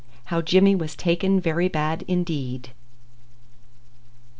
HOW JIMMY WAS TAKEN VERY BAD INDEED.